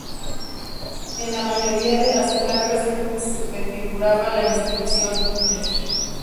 En la mayoría de las placas de figuraba la inscripción "Fr.